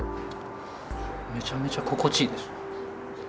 めちゃめちゃ心地いいです。